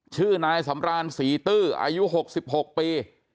ชื่อนายสำรานศรีตื้ออายุ๖๖ปี